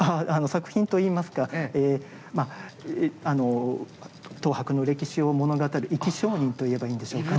作品といいますか東博の歴史を物語る生き証人といえばいいんでしょうか。